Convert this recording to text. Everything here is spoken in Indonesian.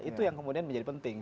itu yang kemudian menjadi penting